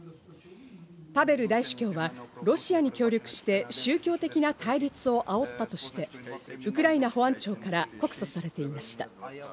パベル大主教はロシアに協力して宗教的な対立をあおったとして、ウクライナ保安庁から告訴されていました。